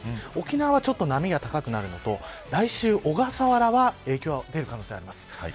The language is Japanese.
沖縄はちょっと波が高くなるのと来週、小笠原は影響が出る可能性があります。